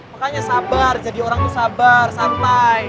makanya sabar jadi orang itu sabar santai